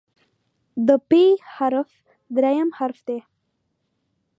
د "پ" حرف دریم حرف دی.